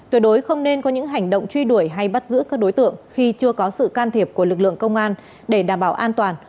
tuyệt đối không nên có những hành động truy đuổi hay bắt giữ các đối tượng khi chưa có sự can thiệp của lực lượng công an để đảm bảo an toàn